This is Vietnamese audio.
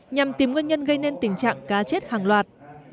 nhằm tìm nguyên nhân gây nên tình trạng cá chết hàng loạt